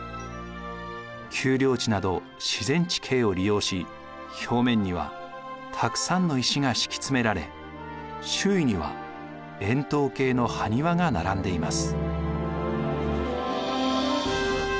丘陵地など自然地形を利用し表面にはたくさんの石が敷き詰められ周囲には円筒形の埴輪が並んでいます。